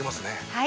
はい。